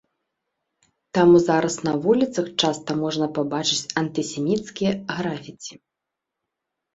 Таму зараз на вуліцах часта можна пабачыць антысеміцкія графіці.